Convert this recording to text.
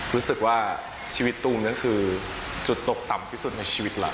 รู้สึกว่าชีวิตตูมนั่นคือจุดตกต่ำที่สุดในชีวิตเรา